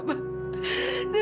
sama seperti om